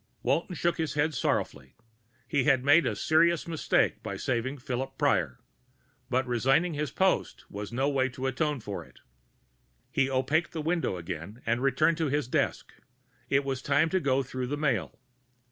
Walton shook his head sorrowfully. He had made a serious mistake by saving Philip Prior. But resigning his post was no way to atone for it. He opaqued the window again and returned to his desk. It was time to go through the mail.